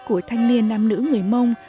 của thanh niên nam nữ người mông